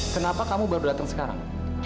kenapa kamu baru datang sekarang